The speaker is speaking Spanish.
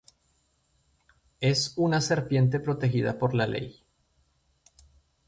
Es una serpiente protegida por la ley.